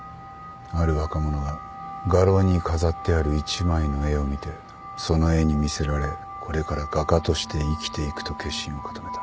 ある若者が画廊に飾ってある一枚の絵を見てその絵に魅せられこれから画家として生きていくと決心を固めた。